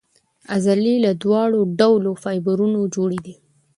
عضلې له دواړو ډولو فایبرونو جوړې دي.